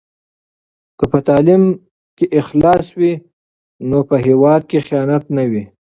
که په تعلیم کې اخلاص وي نو په هېواد کې خیانت نه وي.